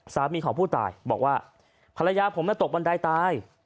สามีของผู้ตายบอกว่าภรรยาผมตกบันไดตาย